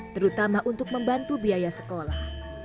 terutama untuk membantu biaya sekolah